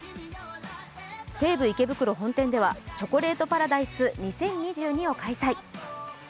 西武池袋本店では、チョコレートパラダイス２０２２を開催。